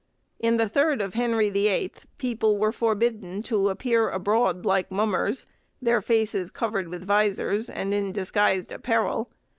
In the third of Henry the Eighth, people were forbidden to appear abroad like mummers, their faces covered with vizors, and in disguised apparel.